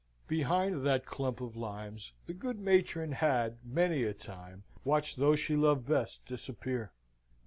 Behind that clump of limes the good matron had many a time watched those she loved best disappear.